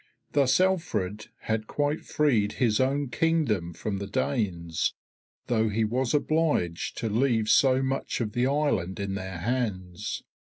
Thus Alfred had quite freed his own Kingdom from the Danes, though he was obliged to leave so much of the island in their hands.